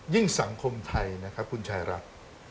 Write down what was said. ยิ่งสังคมไทยนะคะคุณชายรับ